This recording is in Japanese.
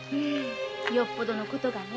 よっぽどのことがね。